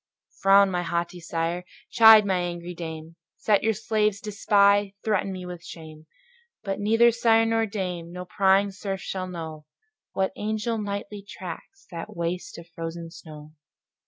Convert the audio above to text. Frown, my haughty sire! chide, my angry dame! Set your slaves to spy; threaten me with shame: But neither sire nor dame, nor prying serf shall know, What angel nightly tracks that waste of frozen snow.